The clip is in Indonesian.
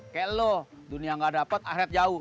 kayak lo dunia gak dapat akhirat jauh